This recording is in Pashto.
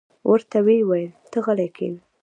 ورته ویې ویل: ته غلې کېنه.